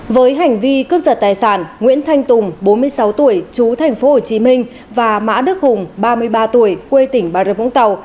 với hành vi cướp giật tài sản nguyễn thanh tùng bốn mươi sáu tuổi chú thành phố hồ chí minh và mã đức hùng ba mươi ba tuổi quê tỉnh bà rập vũng tàu